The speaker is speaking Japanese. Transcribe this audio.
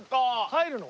入るの？